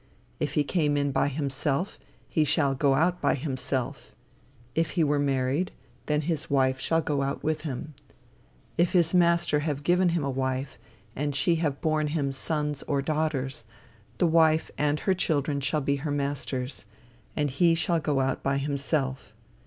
If he came in by himself, he shall go out by himself: if he were married, then his wife shall go out with him. If his master have given him a wife, and she have borne him sons or daughters, the wife and her children shall be her master's, and he shall go out by himself.